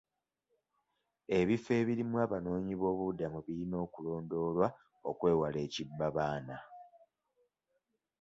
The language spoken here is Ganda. Ebifo ebirimu abanoonyiboobubudamu birina okulondoolwa okwewala ekibbabaana.